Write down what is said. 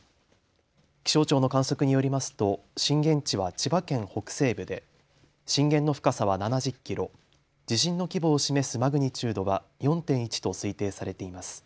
気象庁の観測によりますと震源地は千葉県北西部で震源の深さは７０キロ、地震の規模を示すマグニチュードは４．１と推定されています。